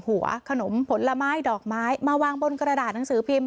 หัวขนมผลไม้ดอกไม้มาวางบนกระดาษหนังสือพิมพ์